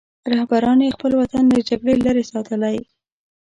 رهبرانو یې خپل وطن له جګړې لرې ساتلی.